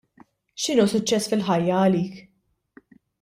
X'inhu suċċess fil-ħajja għalik?